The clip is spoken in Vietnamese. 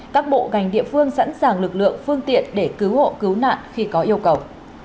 các bộ ngành địa phương sẵn sàng lực lượng phương tiện để cứu hộ cứu nạn khi có yêu cầu